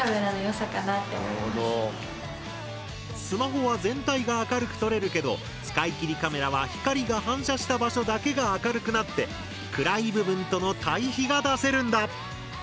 スマホは全体が明るく撮れるけど使い切りカメラは光が反射した場所だけが明るくなって暗い部分との対比が出せるんだ。